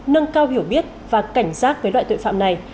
nâng cao hiểu biết và cảnh giác với loại tội phạm này